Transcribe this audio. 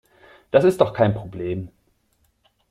Das ist doch kein Problem.